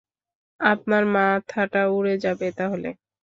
আপনার মাথাটা উড়ে যাবে তাহলে।